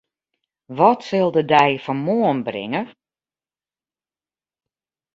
Wat sil de dei fan moarn bringe?